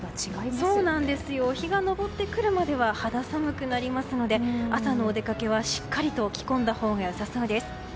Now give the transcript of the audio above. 日が昇ってくるまでは肌寒くなりますので朝のお出かけはしっかりと着込んだほうが良さそうです。